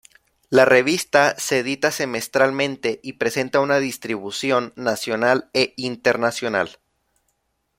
La revista se edita semestralmente y presenta una distribución nacional e internacional.